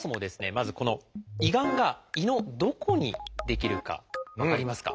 まずこの胃がんが胃のどこに出来るか分かりますか？